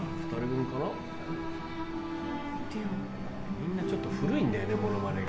みんなちょっと古いんだよねモノマネが。